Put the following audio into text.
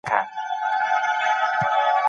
پوهان به د سياستپوهني پر نويو پېژندونو بحث ونکړي.